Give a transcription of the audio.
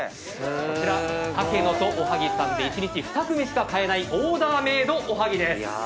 こちら「タケノとおはぎ」さんで１日２組しか買えないオーダーメイドおはぎです。